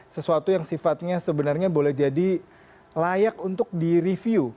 sesuatu yang sifatnya sebenarnya boleh jadi layak untuk direview